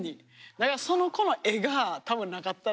だからその子の絵が多分なかったら。